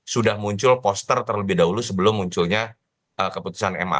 sudah muncul poster terlebih dahulu sebelum munculnya keputusan ma